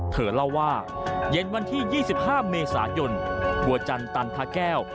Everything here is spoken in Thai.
เธอเล่าว่าเย็นวันที่ยี่สิบห้าเมษายนบัวจันตร์ตันทะแก้ว